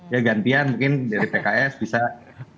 ya gantian mungkin dari pks bisa